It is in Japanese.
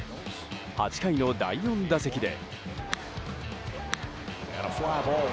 ８回の第４打席で。